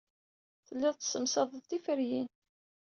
Tellid tessemdased tiferyin.